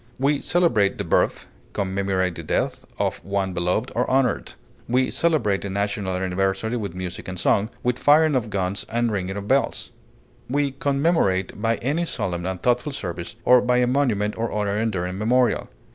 We celebrate the birth, commemorate the death of one beloved or honored. We celebrate a national anniversary with music and song, with firing of guns and ringing of bells; we commemorate by any solemn and thoughtful service, or by a monument or other enduring memorial.